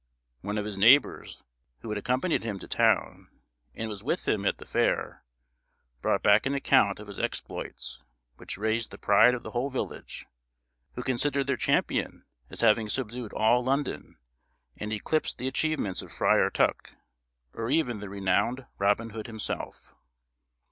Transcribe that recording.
One of his neighbours, who had accompanied him to town, and was with him at the fair, brought back an account of his exploits, which raised the pride of the whole village; who considered their champion as having subdued all London, and eclipsed the achievements of Friar Tuck, or even the renowned Robin Hood himself.